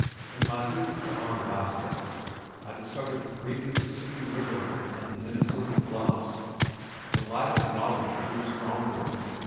In my visits to Onalaska, I discovered the great Mississippi River, and the Minnesota Bluffs. The light of knowledge grew stronger.